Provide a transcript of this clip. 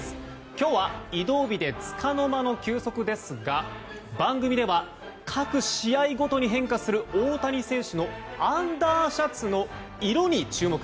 今日は移動日でつかの間の休息ですが番組では各試合ごとに変化する大谷選手のアンダーシャツの色に注目。